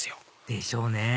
でしょうね